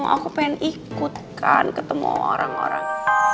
aku pengen ikut kan ketemu orang orang